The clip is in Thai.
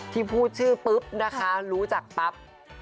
พูดชื่อปุ๊บนะคะรู้จักปั๊บ